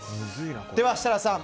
では設楽さん